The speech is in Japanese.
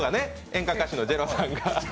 演歌歌手のジェロさんが。